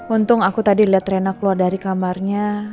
untung aku tadi lihat rena keluar dari kamarnya